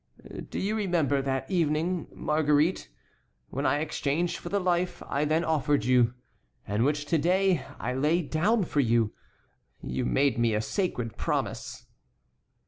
"Do you remember that evening, Marguerite, when in exchange for the life I then offered you, and which to day I lay down for you, you made me a sacred promise."